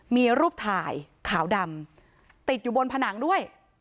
มีรูปถ่ายขาวดำติดอยู่บนผนังด้วย